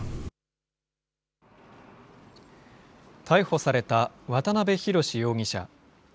逮捕された渡邊宏容疑者。